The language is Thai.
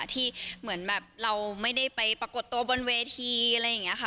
ที่เหมือนแบบเราไม่ได้ไปปรากฏตัวบนเวทีอะไรอย่างนี้ค่ะ